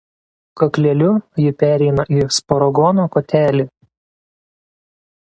Kakleliu ji pereina į sporogono kotelį.